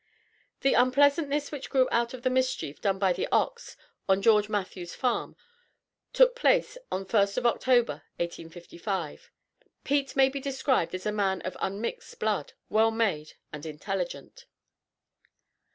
The unpleasantness which grew out of the mischief done by the ox on George Matthews' farm took place the first of October, 1855. Pete may be described as a man of unmixed blood, well made, and intelligent.